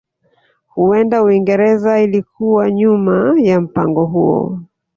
Huenda Uingereza ilikuwa nyuma ya mpango huo